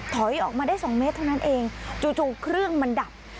ถอยออกมาได้๒เมตรเท่านั้นเองจู่เครื่องมันดับ